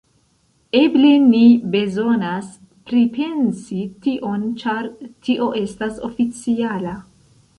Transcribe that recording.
Eble ni bezonas pripensi tion, ĉar tio estas oficiala...